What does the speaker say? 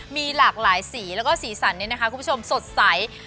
มีหลากหลายสีแล้วก็สีสันนี้นะคะคุณผู้ชมสดใส